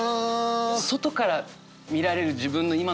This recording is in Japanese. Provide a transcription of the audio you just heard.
外から見られる自分の今の姿